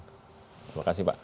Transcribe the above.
terima kasih pak